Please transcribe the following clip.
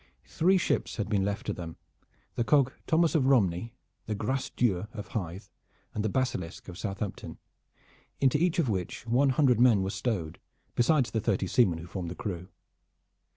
Three ships had been left to them, the cog Thomas of Romney, the Grace Dieu of Hythe, and the Basilisk of Southampton, into each of which one hundred men were stowed, besides the thirty seamen who formed the crew.